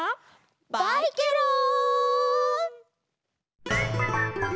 バイケロン！